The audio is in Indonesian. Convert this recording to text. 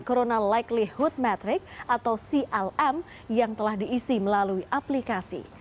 corona likelihood matrix atau clm yang telah diisi melalui aplikasi